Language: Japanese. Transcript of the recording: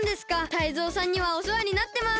タイゾウさんにはおせわになってます。